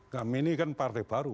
kami ini kan partai baru